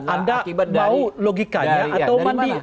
anda mau logikanya atau mandi